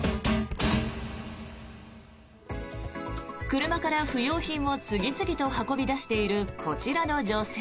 車から不要品を次々と運び出しているこちらの女性。